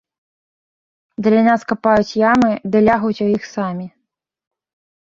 Для нас капаюць ямы, ды лягуць у іх самі!